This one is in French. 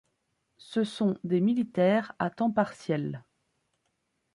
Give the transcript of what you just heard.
Ce sont des militaires à temps partiel.